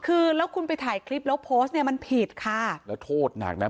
คือแล้วคุณไปถ่ายคลิปแล้วโพสต์เนี่ยมันผิดค่ะแล้วโทษหนักนะ